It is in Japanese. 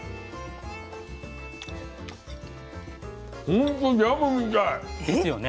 ほんとジャムみたい。ですよね。